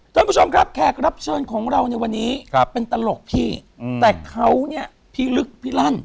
ท่านผู้ชมครับแขกรับเชิญของเราในวันนี้เป็นตลกพี่แต่เขาเนี่ยพี่ลึกพี่ลั่น